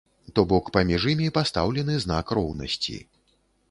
То бок паміж імі пастаўлены знак роўнасці.